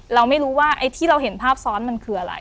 เราไม่รู้ว่าไอ้ที่เราเห็นภาพซ้อนมันคืออะไร